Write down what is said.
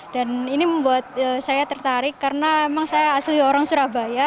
ini membuat saya tertarik karena memang saya asli orang surabaya